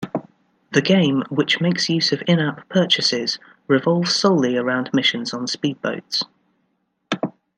The game, which makes use of in-app purchases, revolves solely around missions on speedboats.